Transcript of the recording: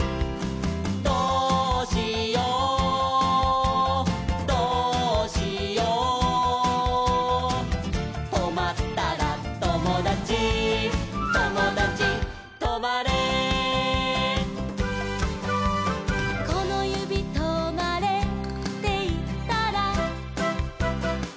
「どうしようどうしよう」「とまったらともだちともだちとまれ」「このゆびとまれっていったら」